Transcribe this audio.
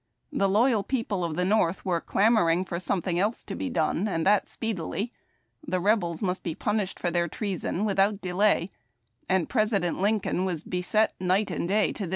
The loyal people of the North were clamor ing for something else to be done, and that speedily. The Rebels must be punished for their treason without delay, and President Lincoln was beset night and day to this end.